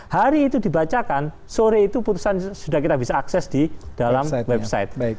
hari itu dibacakan sore itu putusan sudah kita bisa akses di dalam website